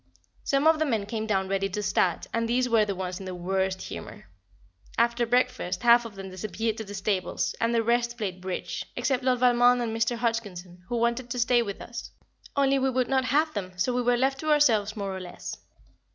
Some of the men came down ready to start, and these were the ones in the worst humour. After breakfast half of them disappeared to the stables, and the rest played "Bridge," except Lord Valmond and Mr. Hodgkinson, who wanted to stay with us, only we would not have them, so we were left to ourselves more or less.